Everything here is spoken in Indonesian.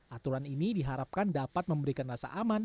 aturan ini diharapkan dapat memberikan rasa aman